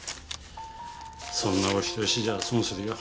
そんなお人よしじゃ損するよ。